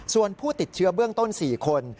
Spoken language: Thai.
ส่วนผู้ติดเชื้อเบื้องต้น๔คน